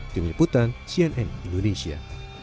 tim liputan cnn indonesia